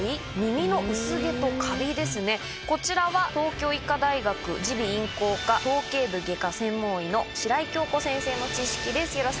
こちらは東京医科大学耳鼻咽喉科頭頸部外科専門医の白井杏湖先生の知識です。